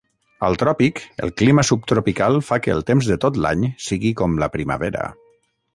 Al tròpic, el clima subtropical fa que el temps de tot l'any sigui com la primavera.